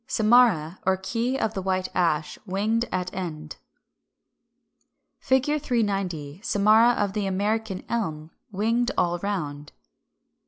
Samara or key of the White Ash, winged at end. 390. Samara of the American Elm, winged all round.